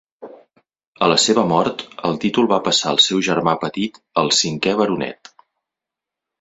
A la seva mort, el títol va passar al seu germà petit, el cinquè baronet.